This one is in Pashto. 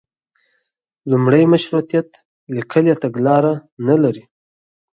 لومړی مشروطیت لیکلي تګلاره نه لري.